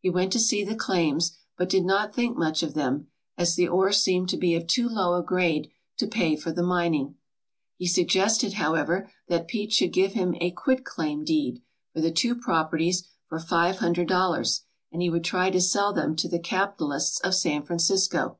He went to see the claims, but did not think much of them, as the ore seemed to be of too low a grade to pay for the mining. He sug gested, however, that Pete should give him a gjiit daim 4gecLfor the two properties for five hundred dollars, and he would try to sell them to the capitalists of San Francisco.